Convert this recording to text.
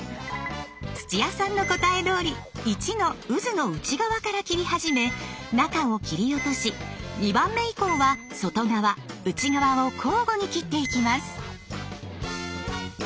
土屋さんの答えどおり１のうずの内側から切り始め中を切り落とし２番目以降は外側内側を交互に切っていきます。